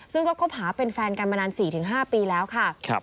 ซึ่งก็คบหาเป็นแฟนกันมานาน๔๕ปีแล้วค่ะ